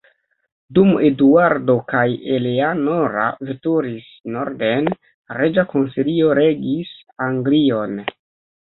Dum Eduardo kaj Eleanora veturis norden, reĝa konsilio regis Anglion.